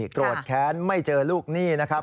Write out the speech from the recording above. โกรธแค้นไม่เจอลูกหนี้นะครับ